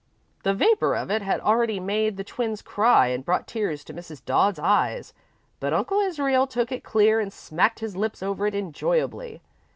The vapour of it had already made the twins cry and brought tears to Mrs. Dodd's eyes, but Uncle Israel took it clear and smacked his lips over it enjoyably.